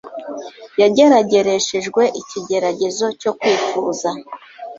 yageragereshejwe ikigeragezo cyo kwifuza,